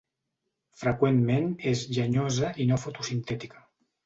Freqüentment és llenyosa i no fotosintètica.